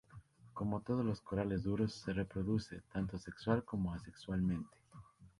Como todos los corales duros, se reproduce, tanto sexual, como asexualmente.